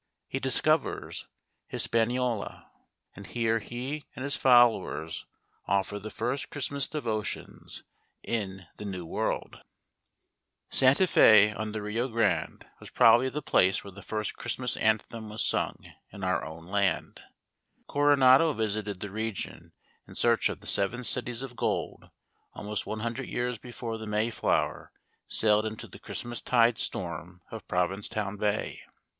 He dis covers Hispaniola, and here he and his followers offer the first Christmas devotions in the New World. 94 EVE AT SANTA F£. — IN THE SIXTEENTH CHRISTMAS EVE AT SANTA F£. 97 Santa Fe, on the Rio Grande, was probably the place where the first Christmas anthem was sung in our own land. Coronado visited the region in search of the Seven Cities of Gold almost one hundred years before the May flower sailed into the Christmas tide storm of Province town Bay.